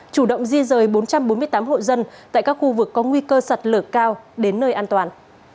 chủ động di rời bốn trăm bốn mươi tám hộ dân tại các khu vực có nguy cơ sạt lở cao đến nơi an toàn